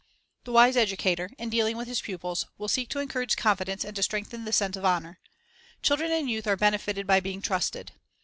The wise educator, in dealing with his pupils, will The Sense of Honor seek to encourage confidence and to strengthen the sense of honor. Children and youth are benefited by being trusted.